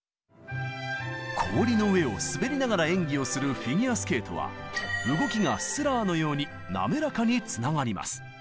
氷の上を滑りながら演技をするフィギュアスケートは動きがスラーのように滑らかにつながります。